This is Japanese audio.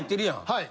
はい。